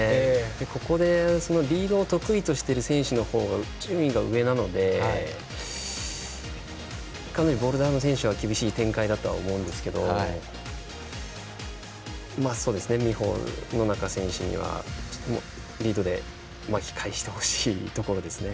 ここでリードを得意としている選手の方が順位が上なのでかなりボルダーの選手は苦しい展開だと思いますが野中選手にはリードで巻き返して欲しいところですね。